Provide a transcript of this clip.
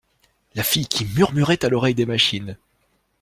la fille qui murmurait à l’oreille des machines.